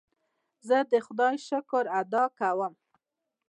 زه د خدای شکر ادا کوم.